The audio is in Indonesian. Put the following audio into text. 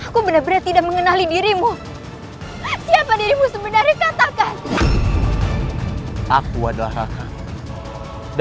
kalian sama ada